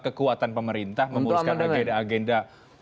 kekuatan pemerintah memuluskan agenda agenda